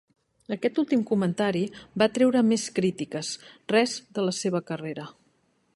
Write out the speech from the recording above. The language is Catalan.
Aquest últim comentari va atreure més crítiques res de la seva carrera.